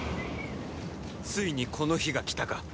ついにこの日がきたか。